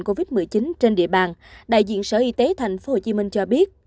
covid một mươi chín trên địa bàn đại diện sở y tế tp hcm cho biết